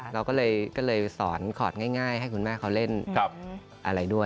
เราก็เลยสอนคอร์ดง่ายให้คุณแม่เขาเล่นอะไรด้วย